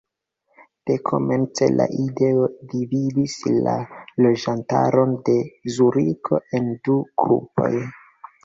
Dekomence la ideo dividis la loĝantaron de Zuriko en du grupoj.